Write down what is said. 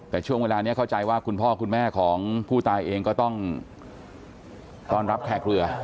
แต่ช่วงเวลานี้เข้าใจว่าคุณพ่อคุณแม่ของผู้ตายเองก็ต้องต้อนรับแขกเรือ